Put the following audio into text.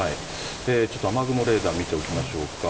ちょっと雨雲レーダー見ておきましょうか。